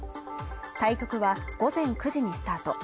対局は午前９時にスタート。